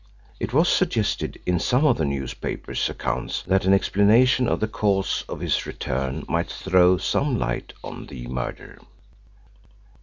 It was suggested in some of the newspaper accounts that an explanation of the cause of his return might throw some light on the murder.